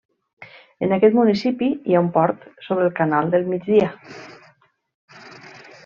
En aquest municipi hi ha un port sobre el Canal del Migdia.